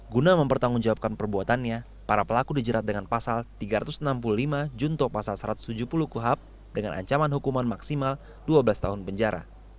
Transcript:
guna mempertanggungjawabkan perbuatannya para pelaku dijerat dengan pasal tiga ratus enam puluh lima junto pasal satu ratus tujuh puluh kuhap dengan ancaman hukuman maksimal dua belas tahun penjara